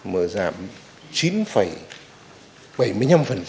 mà giảm chín bảy mươi năm